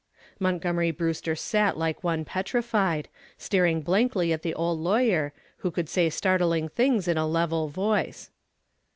Montgomery Brewster sat like one petrified, staring blankly at the old lawyer, who could say startling things in a level voice.